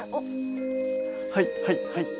はいはいはい。